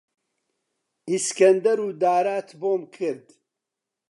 ئیسکەندەر و دارات بۆم کرد،